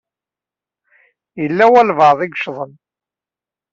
Yella walebɛaḍ i yeccḍen.